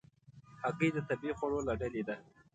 هګۍ د طبیعي خوړو له ډلې ده.